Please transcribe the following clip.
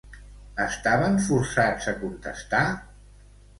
Estaven forçats a contestar?